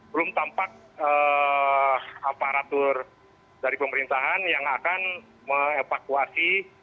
belum tampak aparatur dari pemerintahan yang akan me evakuasi